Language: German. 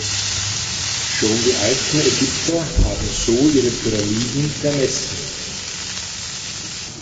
Schon die alten Ägypter haben so ihre Pyramiden vermessen.